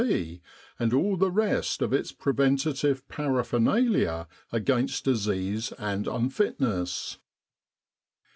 B., and all the rest of its preventive paraphernalia against disease and unfitness.